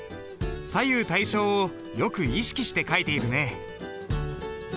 左右対称をよく意識して書いているね。